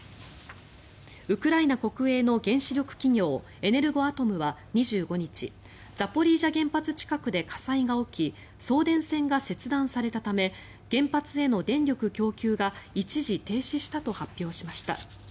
ウクライナ国営の原子力企業エネルゴアトムは２５日ザポリージャ原発近くで火災が起き送電線が切断されたため原発への電力供給が一時、停止したと発表しました。